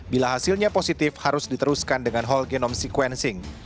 bila hasilnya positif harus diteruskan dengan whole genome sequencing